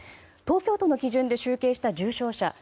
東京都の基準で集計した重症者